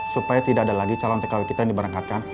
supaya tidak ada lagi calon tkw kita yang diberangkatkan